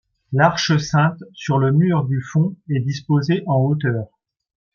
L'Arche Sainte sur le mur du fond est disposée en hauteur.